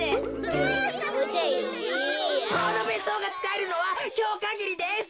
このべっそうがつかえるのはきょうかぎりです！